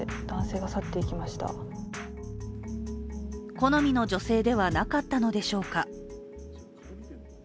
好みの女性ではなかったのでしょうか。